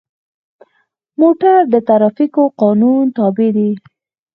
موټر د ټرافیکو قانون تابع دی.